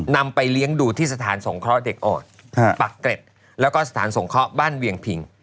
ไปเลี้ยงดูที่สถานสงเคราะห์เด็กอ่อนปักเกร็ดแล้วก็สถานสงเคราะห์บ้านเวียงผิง